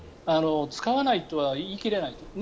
使わないとは言い切れないと。